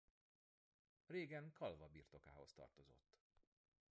Régen Calva birtokához tartozott.